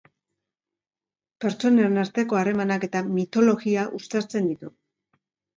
Pertsonen arteko harremanak eta mitologia uztartzen ditu.